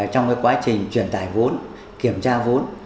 trong quá trình truyền tải vốn kiểm tra vốn